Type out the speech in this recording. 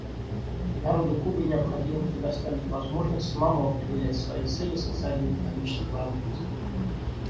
Народу Кубы необходимо предоставить возможность самому определять свои цели социально-экономического развития.